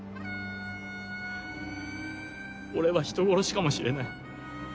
俺は人殺しかもしれない。